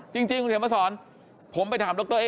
จริงคุณเขียนมาสอนผมไปถามดรเอ